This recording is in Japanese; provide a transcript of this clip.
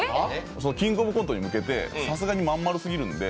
「キングオブコント」に向けてさすがにまん丸すぎるんで